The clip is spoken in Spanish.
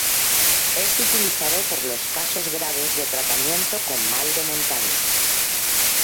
Es utilizado por los casos graves de tratamiento con mal de montaña.